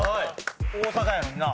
大阪やのにな。